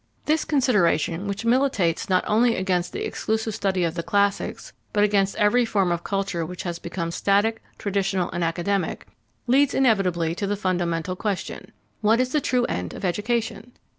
This consideration, which militates not only against the exclusive study of the classics, but against every form of culture which has become static, traditional, and academic, leads inevitably to the fundamental question: What is the true end of education?